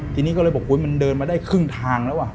ทีนี้ก็เลยบอกอุ๊ยมันเดินมาได้ครึ่งทางแล้วว่ะ